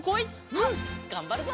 うんがんばるぞ！